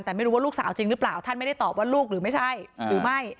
แต่ไม่รู้ว่าลูกสาวจริงหรือเปล่าท่านไม่ได้ตอบว่าลูกหรือไม่ใช่หรือไม่